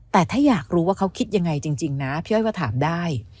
แต่ถ้าอยากรู้ว่าเขาคิดยังไงจริงนะพี่อ้อยก็ถามได้